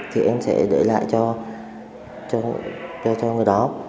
thì em sẽ để lại cho người đó